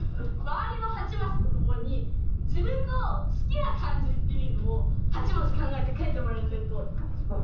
周りの８マスのとこに自分の好きな漢字っていうのを８文字考えて書いてもらいたいと。